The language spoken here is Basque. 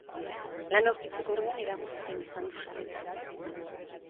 Lana aurkitzeko orduan eragozpen izan du sarritan.